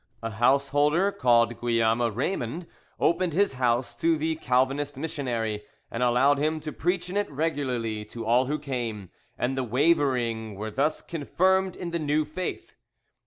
A householder called Guillaume Raymond opened his house to the Calvinist missionary, and allowed him to preach in it regularly to all who came, and the wavering were thus confirmed in the new faith.